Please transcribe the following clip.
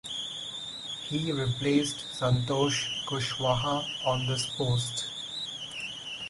He replaced Santosh Kushwaha on this post.